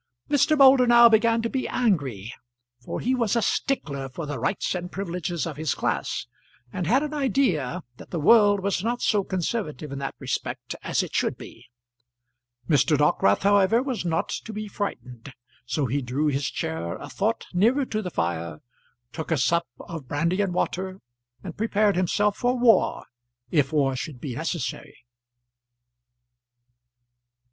Mr. Moulder now began to be angry, for he was a stickler for the rights and privileges of his class, and had an idea that the world was not so conservative in that respect as it should be. Mr. Dockwrath, however, was not to be frightened, so he drew his chair a thought nearer to the fire, took a sup of brandy and water, and prepared himself for war if war should be necessary.